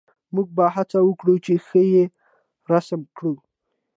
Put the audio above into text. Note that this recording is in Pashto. موږ به هڅه وکړو چې ښه یې رسم کړو